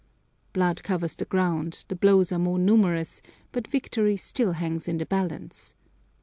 Blood covers the ground, the blows are more numerous, but victory still hangs in the balance.